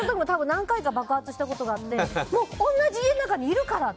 何回か爆発したことがあって同じ家の中にいるから！